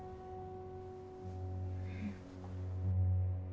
うん。